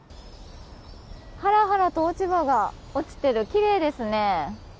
はらはらと落ち葉が落ちていてきれいですね。